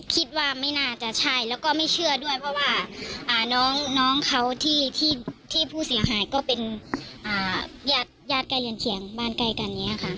คิดว่าไม่น่าจะใช่แล้วก็ไม่เชื่อด้วยเพราะว่าน้องเขาที่ผู้เสียหายก็เป็นญาติใกล้เรือนเคียงบ้านใกล้กันอย่างนี้ค่ะ